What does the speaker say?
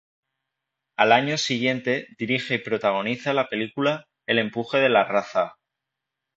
Al año siguiente dirige y protagoniza la película "El empuje de la raza".